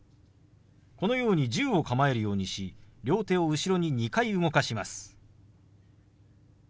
このように銃を構えるようにし両手を後ろに２回動かします。